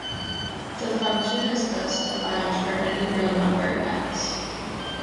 The function is thus defined for any real number "x".